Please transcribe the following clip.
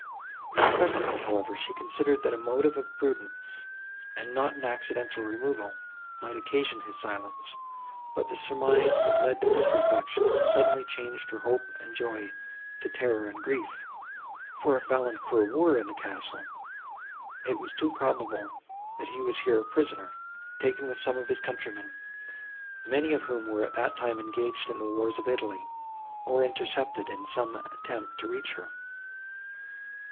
Presently, however, she considered, that a motive of prudence, and not an accidental removal, might occasion his silence; but the surmise that led to this reflection, suddenly changed her hope and joy to terror and grief; for, if Valancourt were in the castle, it was too probable that he was here a prisoner, taken with some of his countrymen, many of whom were at that time engaged in the wars of Italy, or intercepted in some attempt to reach her.